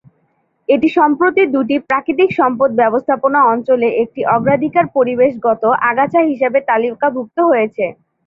এটি সম্প্রতি দুটি প্রাকৃতিক সম্পদ ব্যবস্থাপনা অঞ্চলে একটি অগ্রাধিকার পরিবেশগত আগাছা হিসাবে তালিকাভুক্ত হয়েছে।